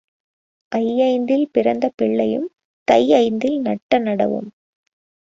ஐயைந்தில் பிறத்த பிள்ளையும் தை ஐந்தில் நட்ட நடவும்.